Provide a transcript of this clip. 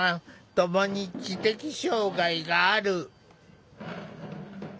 共に知的障害がある。